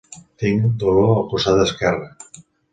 Tinc dolor al costat esquerre.